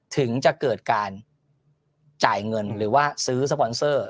ถึงจะเกิดการจ่ายเงินหรือว่าซื้อสปอนเซอร์